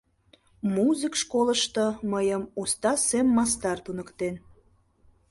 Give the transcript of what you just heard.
— Музык школышто мыйым уста семмастар туныктен.